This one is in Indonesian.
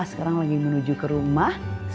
sama teman om ah